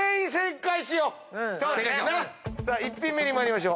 さあ１品目に参りましょう。